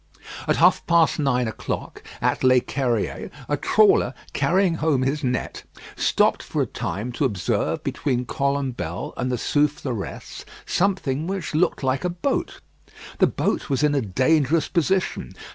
At half past nine o'clock, at L'Equerrier, a trawler carrying home his net stopped for a time to observe between Colombelle and the Soufleresse something which looked like a boat. The boat was in a dangerous position.